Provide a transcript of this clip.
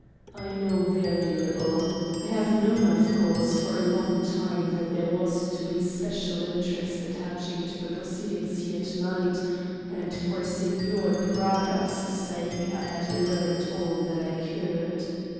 "I know very little. I have known, of course, for a long time that there was to be special interest attaching to the proceedings here to night, and for Signor Praga's sake I had learned all that I could."